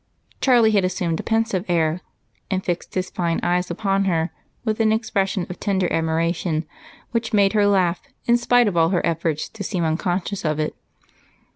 Charlie had assumed a pensive air and fixed his fine eyes upon her with an expression of tender admiration, which made her laugh in spite of all her efforts to seem unconscious of it.